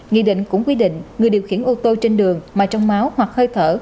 nghị định cũng quy định người điều khiển ô tô trên đường mà trong máu hoặc hơi thở